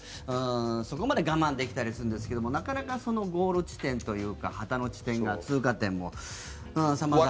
そこまで我慢できたりするんですけどなかなかゴール地点というか旗の地点が通過点も、様々。